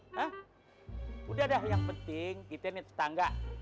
hah udah dah yang penting kita ini tetangga